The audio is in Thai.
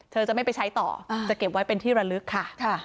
จะไม่ไปใช้ต่อจะเก็บไว้เป็นที่ระลึกค่ะ